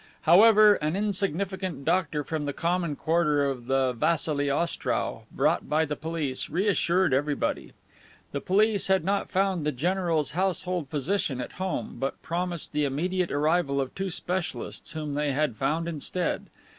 However, an insignificant doctor from the common quarter of the Vasili Ostrow, brought by the police, reassured everybody. The police had not found the general's household physician at home, but promised the immediate arrival of two specialists, whom they had found instead.